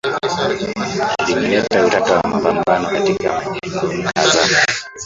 limeleta utata na mapambano katika majimbo kadhaa